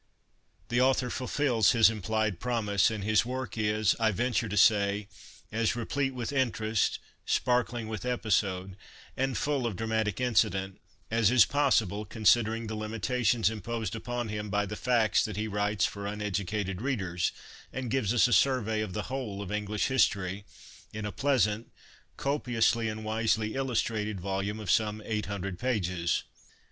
The author fulfils his implied promise, and his work is, I venture to say, as " replete with interest, sparkling with episode, and full of dramatic incident" as is possible, considering the limitations imposed upon him by the facts that he writes for uneducated readers, and gives us a survey of the whole of English History in a pleasant, copiously and wisely illustrated volume of some eight hundred pages.